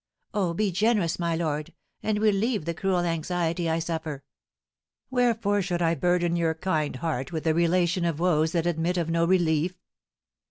Oh, be generous, my lord, and relieve the cruel anxiety I suffer." "Wherefore should I burden your kind heart with the relation of woes that admit of no relief?"